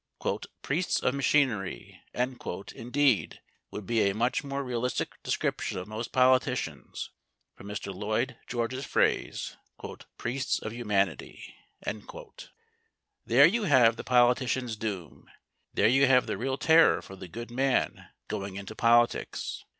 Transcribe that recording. "Priests of machinery," indeed, would be a much more realistic description of most politicians than Mr Lloyd George's phrase, "priests of humanity." There you have the politician's doom. There you have the real terror for the good man going into politics.